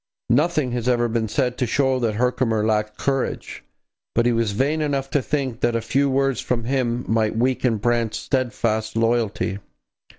Nothing has ever been said to show that Herkimer lacked courage. But he was vain enough to think that a few words from him might weaken Brant's steadfast loyalty.